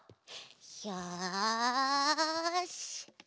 よし。